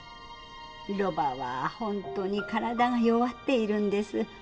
ロバは本当に体が弱っているんです。